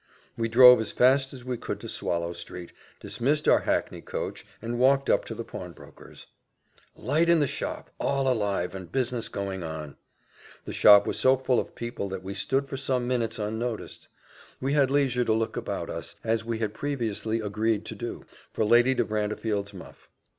We drove as fast as we could to Swallow street dismissed our hackney coach, and walked up to the pawnbroker's. Light in the shop! all alive! and business going on. The shop was so full of people, that we stood for some minutes unnoticed. We had leisure to look about us, as we had previously agreed to do, for Lady De Brantefield's muff.